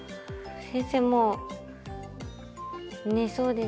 先生もう寝そうです。